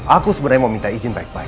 aku sebenarnya mau minta izin baik baik